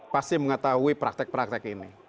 pasti mengetahui praktek praktek ini